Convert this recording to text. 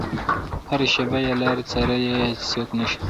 هره شېبه يې لارې څارلې چې څوک رانشي.